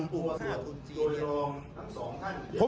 โปรศาสตร์ทุนจีนโดยรองทั้งสองท่าน